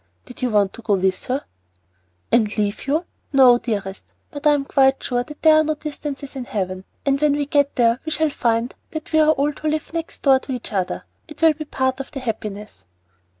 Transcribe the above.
"Did you want to go with her?" "And leave you? No, dearest. But I am quite sure that there are no distances in Heaven, and when we get there we shall find that we all are to live next door to each other. It will be part of the happiness."